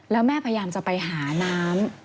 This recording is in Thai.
แล้วแม่พยายามจะไปหาน้ำ